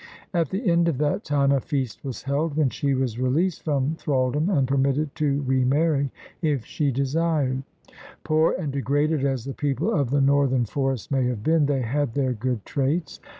At the end of that time a feast was held, when she was released from thraldom and permitted to remarry if she desired Poor and degraded as the people of the northern forests may have been, they had their good traits.